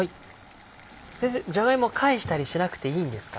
先生じゃが芋は返したりしなくていいんですか？